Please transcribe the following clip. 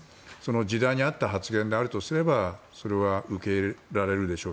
時代に合った発言をすればそれは受け入れられるでしょう。